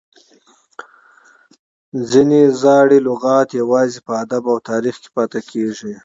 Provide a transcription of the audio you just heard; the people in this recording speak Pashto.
ځینې زاړي لغات یوازي په ادب او تاریخ کښي پاته کیږي.